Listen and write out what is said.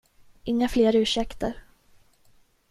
Inga fler ursäkter.